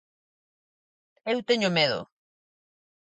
Eu teño medo.